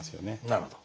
なるほど。